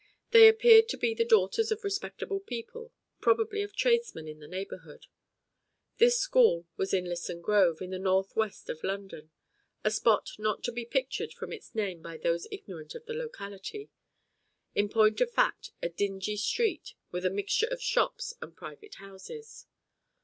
They appeared to be the daughters of respectable people, probably of tradesmen in the neighbourhood. This school was in Lisson Grove, in the north west of London; a spot not to be pictured from its name by those ignorant of the locality; in point of fact a dingy street, with a mixture of shops and private houses.